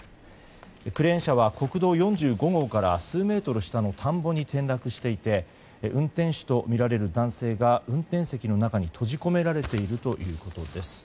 クレーン車は国道４５号から数メートル下の田んぼに転落していて運転手とみられる男性が運転席の中に閉じ込められているということです。